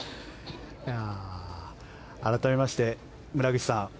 改めまして、村口さん